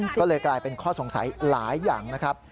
ก็เลยกลายเป็นข้อสงสัยหลายอย่างนะครับ